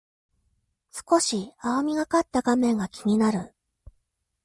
少し青みがかった画面が気になる